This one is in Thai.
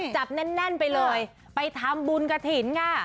จับแน่นไปเลยไปทำบุญกระถิ่นค่ะ